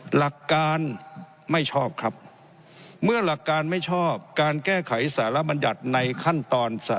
หลักการไม่ชอบครับเมื่อหลักการไม่ชอบการแก้ไขสารบัญญัติในขั้นตอน